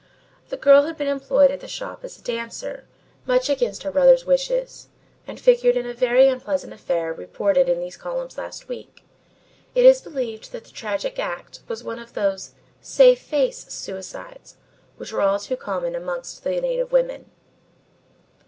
The girl had been employed at the shop as a dancer, much against her brother's wishes, and figured in a very unpleasant affair reported in these columns last week. It is believed that the tragic act was one of those 'save face' suicides which are all too common amongst native women."